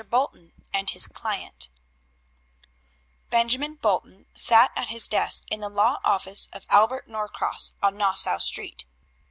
BOLTON AND HIS CLIENT Benjamin Bolton sat at his desk in the law office of Albert Norcross, on Nassau Street.